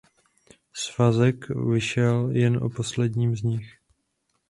Svazek vyšel jen o posledním z nich.